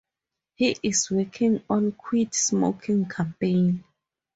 He is working on quit smoking campaign.